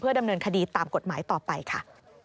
ดำเนินคดีตามกฎหมายต่อไปค่ะ